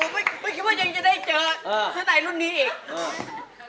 ไม่คิดว่ายังจะได้เจอเสื้อในรุ่นนี้อีก